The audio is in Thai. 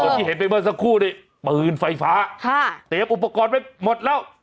เมื่อสักครู่นี่ปืนไฟฟ้าเตรียมอุปกรณ์ไปหมดแล้ว